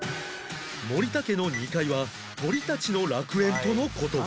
森田家の２階は鳥たちの楽園との事